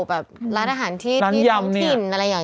แบบร้านอาหารที่ท้องถิ่นอะไรอย่างนี้